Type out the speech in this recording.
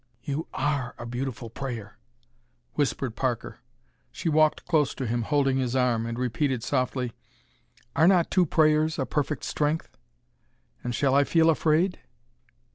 "You are a beautiful prayer," whispered Parker. She walked close to him, holding his arm, and repeated softly: "Are not two prayers a perfect strength? And shall I feel afraid?"